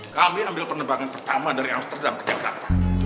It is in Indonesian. kami ambil penerbangan pertama dari amsterdam ke jakarta